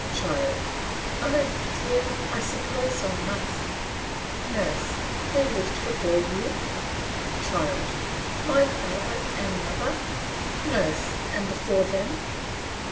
CHILD: Oh dear! I suppose I must. NURSE: Who lived before you? CHILD: My father and mother. NURSE: And before them?